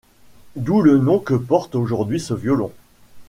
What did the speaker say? D'où le nom que porte aujourd'hui ce violon.